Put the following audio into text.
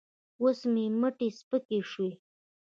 اوس مې مټې سپکې شوې.